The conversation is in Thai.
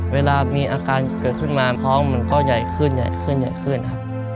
เวลามีอาการเกิดขึ้นมาท้องมันก็ใหญ่ขึ้นใหญ่ขึ้นใหญ่ขึ้นครับ